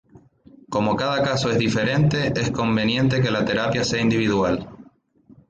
Como cada caso es diferente, es conveniente que la terapia sea individual.